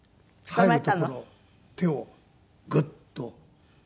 帰るところ手をグッと取って。